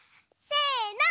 せの。